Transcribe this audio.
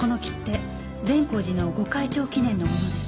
善光寺の御開帳記念のものです。